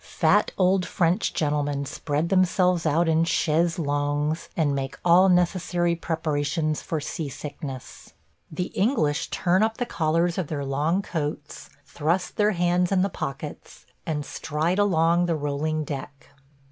Fat old French gentlemen spread themselves out in chaises longues and make all necessary preparations for sea sickness. The English turn up the collars of their long coats, thrust their hands in the pockets, and stride along the rolling deck.